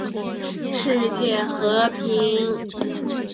世界和平